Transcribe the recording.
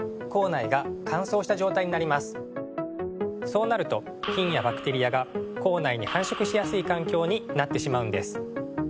そうなると菌やバクテリアが口内に繁殖しやすい環境になってしまうんです。